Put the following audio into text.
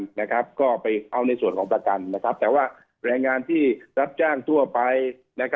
ก็ได้รับความเดือดร้อนอยู่เพราะฉะนั้นกระทรวงการทางก็เลยต้องไปด